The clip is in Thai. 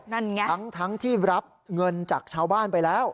นั่นไงทั้งที่รับเงินจากชาวบ้านไปแล้ว